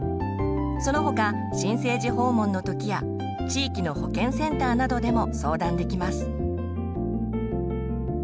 その他新生児訪問の時や地域の保健センターなどでも相談できます。